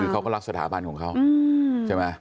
คือเขาก็รักสถาบันของเขาใช่ไหม